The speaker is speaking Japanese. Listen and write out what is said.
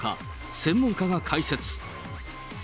専門家が解説。